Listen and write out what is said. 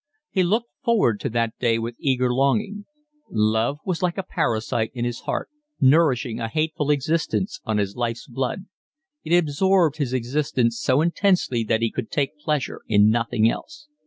He looked forward to that day with eager longing. Love was like a parasite in his heart, nourishing a hateful existence on his life's blood; it absorbed his existence so intensely that he could take pleasure in nothing else.